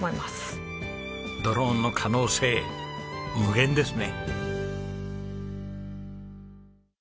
ドローンの可能性無限ですね。